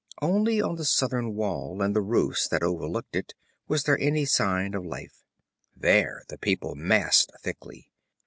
Only on the southern wall and the roofs that overlooked it was there any sign of life. There the people massed thickly.